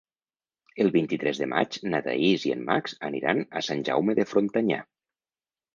El vint-i-tres de maig na Thaís i en Max aniran a Sant Jaume de Frontanyà.